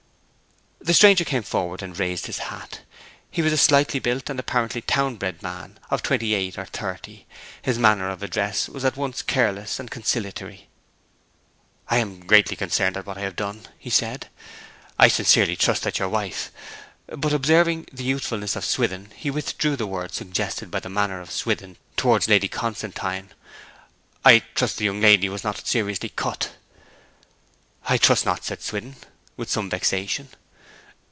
The stranger came forward and raised his hat. He was a slightly built and apparently town bred man of twenty eight or thirty; his manner of address was at once careless and conciliatory. 'I am greatly concerned at what I have done,' he said. 'I sincerely trust that your wife' but observing the youthfulness of Swithin, he withdrew the word suggested by the manner of Swithin towards Lady Constantine 'I trust the young lady was not seriously cut?' 'I trust not,' said Swithin, with some vexation.